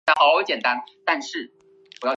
鹅岛从东面与陆地隔开。